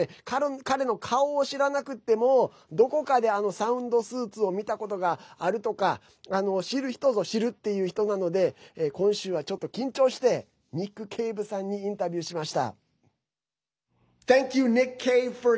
彼の顔を知らなくてもどこかでサウンドスーツを見たことがあるとか知る人ぞ知るっていう人なので今週は、ちょっと緊張してニック・ケイブさんにインタビューしました。